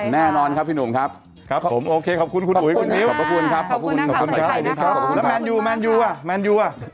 แน่นอนครับพี่หนุ่มครับครับผมโอเคขอบคุณคุณหูย